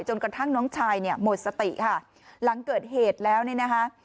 กระทั่งน้องชายเนี่ยหมดสติค่ะหลังเกิดเหตุแล้วเนี่ยนะคะ